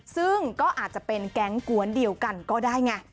ซึ่งก็อาจจะเป็นแก๊งกวนเดียวกันก็ได้ไง